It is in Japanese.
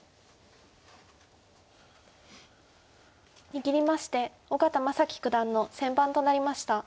握りまして小県真樹九段の先番となりました。